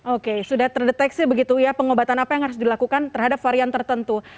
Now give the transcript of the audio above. oke sudah terdeteksi begitu ya pengobatan apa yang harus dilakukan terhadap varian tertentu